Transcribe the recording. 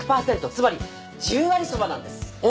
つまり十割そばなんですうう